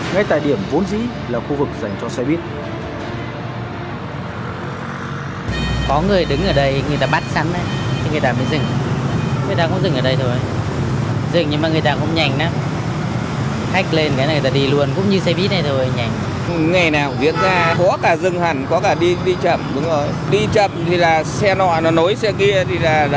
ngay tại điểm vốn dĩ là khu vực dành cho xe buýt